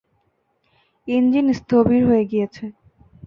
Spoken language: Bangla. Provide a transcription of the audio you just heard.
ইঞ্জিন স্থবির হয়ে গিয়েছে।